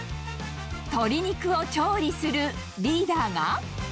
鶏肉を調理するリーダーが。